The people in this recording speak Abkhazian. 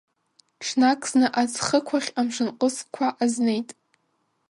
Ҽнак зны аӡхықә ахь амшынҟызқәа азнеит.